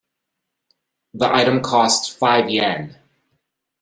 The item costs five Yen.